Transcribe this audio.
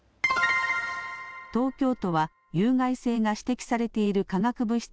東京都は有害性が指摘されている化学物質